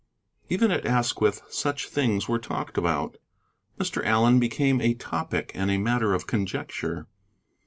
Even at Asquith such things were talked about. Mr. Allen became a topic and a matter of conjecture.